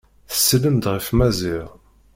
Tsellem-d ɣef Maziɣ.